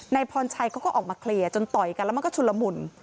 พรชัยเขาก็ออกมาเคลียร์จนต่อยกันแล้วมันก็ชุนละมุน